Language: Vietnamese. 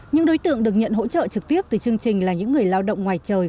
những đối tượng được nhận hỗ trợ trực tiếp từ chương trình là những người lao động ngoài trời